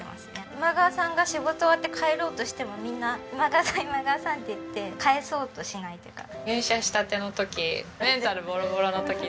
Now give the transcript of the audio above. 今川さんが仕事終わって帰ろうとしてもみんな今川さん今川さんって言って帰そうとしないというか。